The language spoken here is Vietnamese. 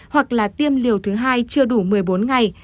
hoặc là tiêm liều thứ hai chưa đủ một mươi bốn ngày